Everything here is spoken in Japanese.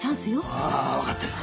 ああ分かってる。